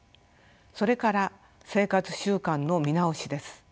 それから生活習慣の見直しです。